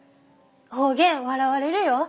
方言笑われるよ。